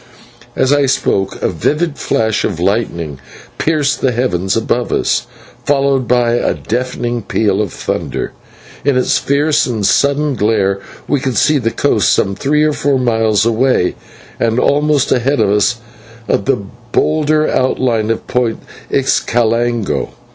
As I spoke a vivid patch of lightning pierced the heavens above us, followed by a deafening peal of thunder. In its fierce and sudden glare we could see the coast some three or four miles away, and almost ahead of us the bolder outline of Point Xicalango.